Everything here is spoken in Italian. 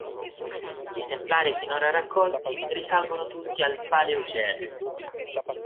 Gli esemplari finora raccolti risalgono tutti al Paleogene.